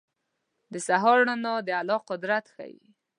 • د سهار رڼا د الله قدرت ښيي.